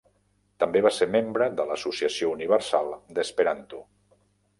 També va ser membre de l'Associació Universal d'Esperanto.